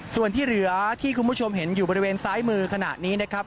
ส่วนที่เหลือที่คุณผู้ชมเห็นอยู่บริเวณซ้ายมือขณะนี้นะครับ